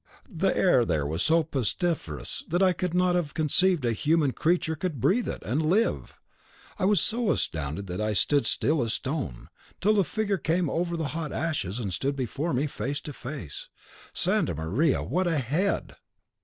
The air there was so pestiferous that I could not have conceived a human creature could breathe it, and live. I was so astounded that I stood still as a stone, till the figure came over the hot ashes, and stood before me, face to face. Santa Maria, what a head!"